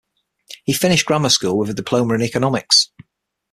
He finished grammar school with a diploma in economics.